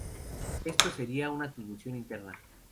Esto sería una atribución interna.